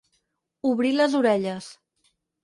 Obrir les orelles.